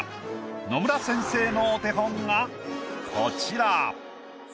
野村先生のお手本がこちら。